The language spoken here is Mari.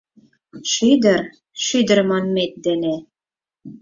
Шӱдыр, шӱдыр манмет дене